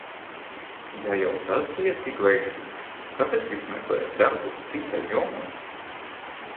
Ja jau tas bija tik veiksmīgs, kāpēc jūs meklējāt darbu citā jomā?